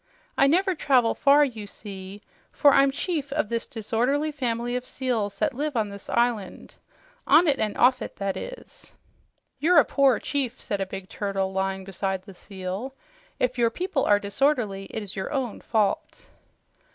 I never travel far, you see, for I'm chief of this disorderly family of seals that live on this island on it and off it, that is." "You're a poor chief," said a big turtle lying beside the seal. "If your people are disorderly, it is your own fault."